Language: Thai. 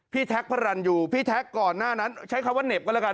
แท็กพระรันยูพี่แท็กก่อนหน้านั้นใช้คำว่าเหน็บก็แล้วกัน